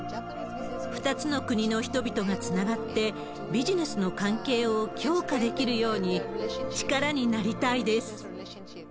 ２つの国の人々がつながって、ビジネスの関係を強化できるように、力になりたいです。